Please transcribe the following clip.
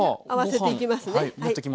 合わせていきますね。